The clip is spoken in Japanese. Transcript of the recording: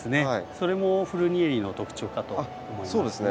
それもフルニエリの特徴かと思いますね。